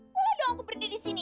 boleh dong aku berdiri di sini